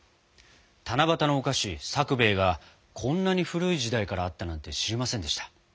七夕のお菓子さくべいがこんなに古い時代からあったなんて知りませんでした。